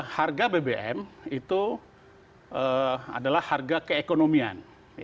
harga bbm itu adalah harga keekonomian